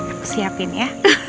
aku siapin ya